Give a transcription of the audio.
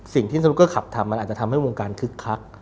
สิ่งที่สนุกเกอร์ขับทำมันอาจจะทำให้วงการคึกคัก